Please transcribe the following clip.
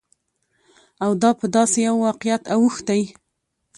او دا په داسې يوه واقعيت اوښتى،